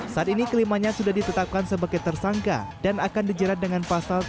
saat ini kelimanya sudah ditetapkan sebagai tersangka dan akan dijerat dengan pasal tiga ratus enam puluh delapan kuhp